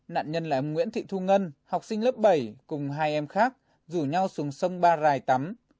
nạn nhân là em nguyễn thị thu ngân học sinh lớp bảy cùng hai em khác rủ nhau xuống sông ba rai tắm